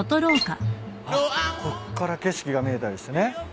こっから景色が見えたりしてね。